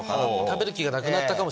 食べる気がなくなったかも。